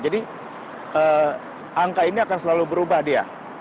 jadi angka ini akan selalu berubah dia